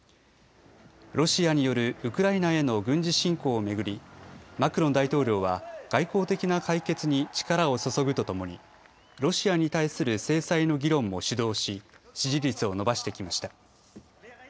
ロシアによるウクライナへの軍事侵攻を巡り、マクロン大統領は外交的な解決に力を注ぐとともに、ロシアに対する制裁の議論も主導し、支持率を伸ばしてきました。